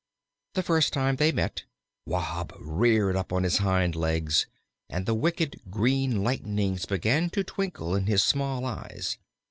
The first time they met, Wahb reared up on his hind legs, and the wicked green lightnings began to twinkle in his small eyes.